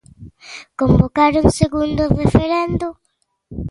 Convocar un segundo referendo?